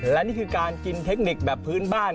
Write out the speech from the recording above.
และนี่คือการกินเทคนิคแบบพื้นบ้าน